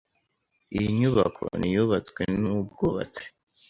Iyi nyubako niyubatswe nubwubatsi.